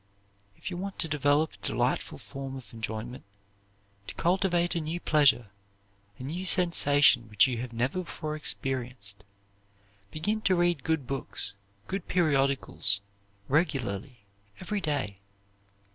If you want to develop a delightful form of enjoyment, to cultivate a new pleasure, a new sensation which you have never before experienced, begin to read good books, good periodicals, regularly every day.